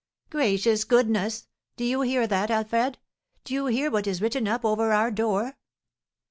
'" "Gracious goodness! Do you hear that, Alfred? Do you hear what is written up over our door?"